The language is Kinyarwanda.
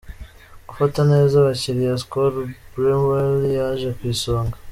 Gufata neza abakiriya : Skol Brewery yaje ku isonga.